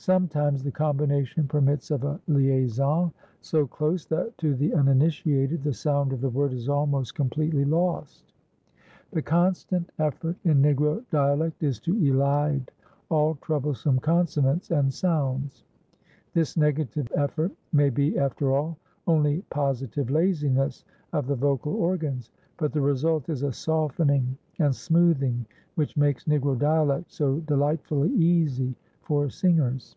Sometimes the combination permits of a liaison so close that to the uninitiated the sound of the word is almost completely lost. The constant effort in Negro dialect is to elide all troublesome consonants and sounds. This negative effort may be after all only positive laziness of the vocal organs, but the result is a softening and smoothing which makes Negro dialect so delightfully easy for singers.